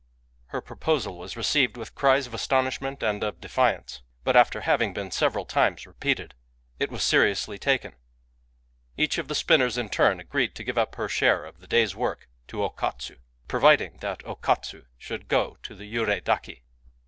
Her proposal was received with cries of astonishment and of defiance. But after having been several times repeated, it was seriously taken. Each of the spinners in turn agreed to give up her share of the day's work to O Katsu, providing that O Katsu should go to the Yurei Daki.